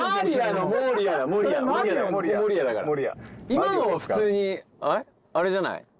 今の普通にあれじゃない？